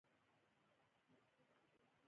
باسواده نجونې اپلیکیشنونه ډیزاین کوي.